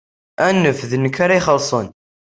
Anef, d nekk ara ixellṣen.